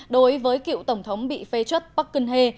đối với cựu tổng thống bị phê chất park geun hye